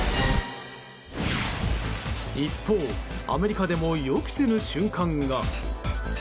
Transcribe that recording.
一方、アメリカでも予期せぬ瞬間が。